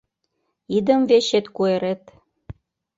Идымвечет куэрет